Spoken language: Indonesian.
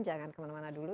jangan kemana mana dulu